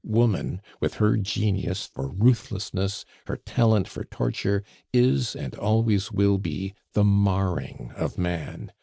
Woman, with her genius for ruthlessness, her talent for torture, is, and always will be, the marring of man.